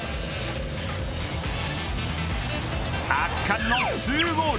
圧巻の２ゴール。